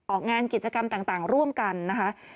ออกงานกิจกรรมต่างร่วมกันนะคะ